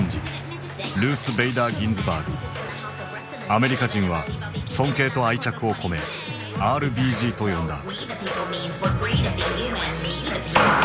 アメリカ人は尊敬と愛着を込め「ＲＢＧ」と呼んだ。